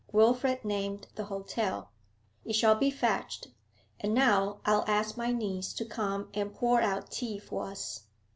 Wilfrid named the hotel. 'It shall be fetched. And now I'll ask my niece to come and pour out tea for us.'